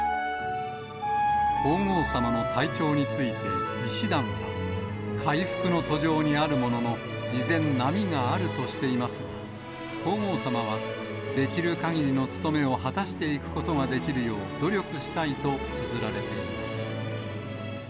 皇后さまの体調について、医師団は、回復の途上にあるものの、依然、波があるとしていますが、皇后さまはできるかぎりの務めを果たしていくことができるよう努力したいとつづられています。